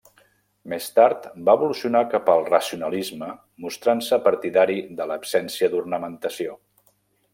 Més tard va evolucionar cap al Racionalisme mostrant-se partidari de l'absència d'ornamentació.